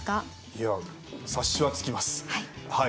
いや察しはつきますはい。